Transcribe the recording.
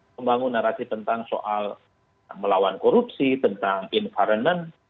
membangun narasi tentang soal melawan korupsi tentang environment